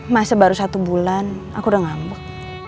masa baru satu bulan aku udah ngambek